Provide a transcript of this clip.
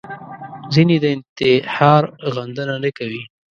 ځینې د انتحار غندنه نه کوي